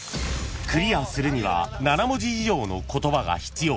［クリアするには７文字以上の言葉が必要］